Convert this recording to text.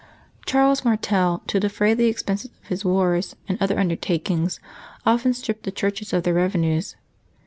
Charles Martel, to defray the expenses of his wars and other undertakings, often stripped the churches of their revenues.